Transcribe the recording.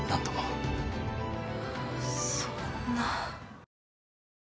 そんな。